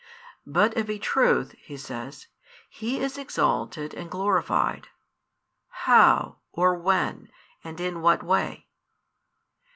But of a truth, He says, |396 He is exalted and glorified; how, or when, and in what way?